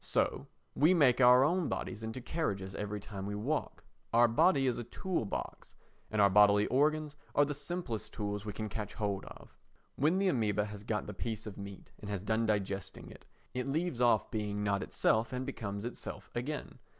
So we make our own bodies into carriages every time we walk. Our body is our tool box—and our bodily organs are the simplest tools we can catch hold of. When the amœba has got the piece of meat and has done digesting it, it leaves off being not itself and becomes itself again.